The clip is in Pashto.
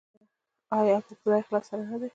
آیا او په پوره اخلاص سره نه دی؟